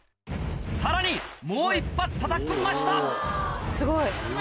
さらにもう１発たたき込みました。